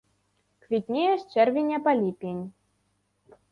Квітнее з чэрвеня па ліпень.